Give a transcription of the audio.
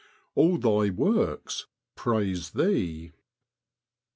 l All Thy works praise Thee